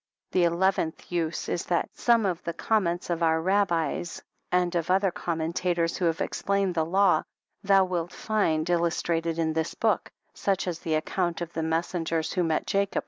The eleventh* use is, thai some of the comments of our Rabbles and of other commentators who have explained the law, thou wilt find illustrated in this book, such as the account of the messengers who met Jacob!